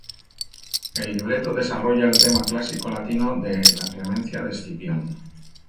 El libreto desarrolla el tema clásico latino de La clemencia de Escipión.